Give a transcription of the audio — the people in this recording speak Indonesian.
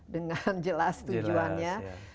dengan jelas tujuannya